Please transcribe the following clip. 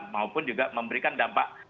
maupun juga memberikan dampak